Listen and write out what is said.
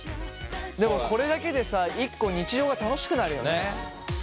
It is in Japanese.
でもこれだけでさ一個日常が楽しくなるよね。